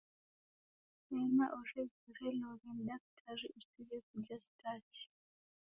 Sena orezereloghe ni daktari usighe kuja stachi.